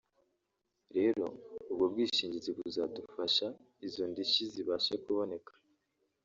rero ubwo bwishingizi buzadufasha izo ndishyi zibashe kuboneka”